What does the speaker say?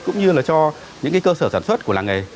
cũng như là cho những cái cơ sở sản xuất của làng nghề